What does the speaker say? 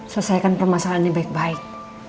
selesaikan permasalahan ini baik baik